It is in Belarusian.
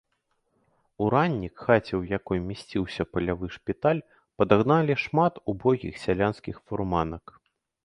Уранні к хаце, у якой месціўся палявы шпіталь, падагналі шмат убогіх сялянскіх фурманак.